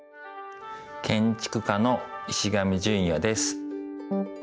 建築家の石上純也です。